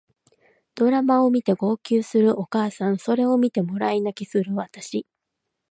ドラマを見て号泣するお母さんそれを見てもらい泣きする私